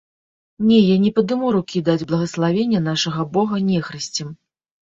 Не, я не падыму рукі даць благаславення нашага бога нехрысцям!